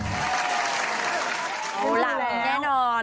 ดูดูแลดูแน่นอน